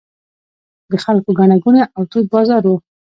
د خلکو ګڼه ګوڼې او تود بازار و.